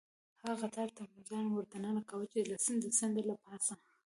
هغه قطار ته مو ځان وردننه کاوه، چې د سیند له پاسه.